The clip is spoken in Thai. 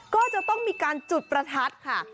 ก็จะต้องมีการจุดประทัดค่ะ